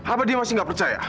apa dia masih nggak percaya